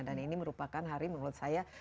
dan ini merupakan hari menurut saya